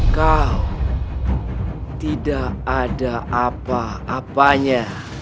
kau tidak ada apa apanya